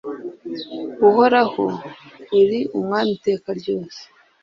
Uhoraho, uri umwami iteka ryose,